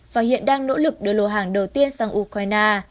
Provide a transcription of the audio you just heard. và hiện đang nỗ lực đưa lô hàng đầu tiên sang ukraine